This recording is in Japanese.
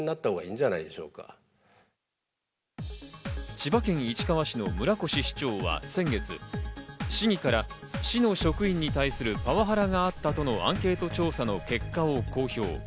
千葉県市川市の村越市長は先月、市議から市の職員に対するパワハラがあったとのアンケート調査の結果を公表。